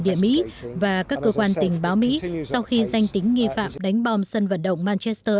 địa mỹ và các cơ quan tình báo mỹ sau khi danh tính nghi phạm đánh bom sân vận động malchester